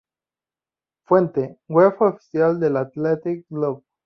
Fuente: Web oficial del Athletic Club.